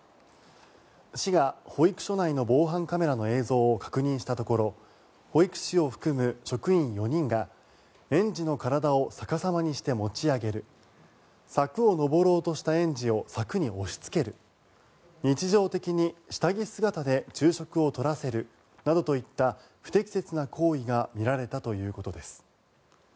市が保育所内の防犯カメラの映像を確認したところ保育士を含む職員４人が園児の体を逆さまにして持ち上げる柵を登ろうとした園児を柵に押しつける日常的に下着姿で昼食を取らせるなどといった不適切な行為が見られたということです。